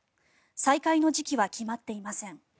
再開の時期は決まっていません。